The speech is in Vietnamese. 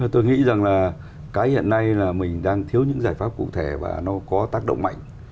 tôi nghĩ rằng là cái hiện nay là mình đang thiếu những giải pháp cụ thể và nó có tác động mạnh